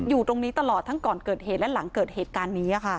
อยู่ตรงนี้ตลอดทั้งก่อนเกิดเหตุและหลังเกิดเหตุการณ์นี้